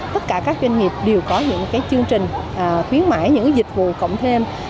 tất cả các doanh nghiệp đều có những chương trình khuyến mãi những dịch vụ cộng thêm